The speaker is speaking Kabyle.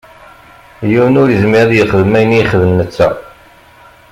Yiwen ur izmir ad yexdem ayen i yexdem netta.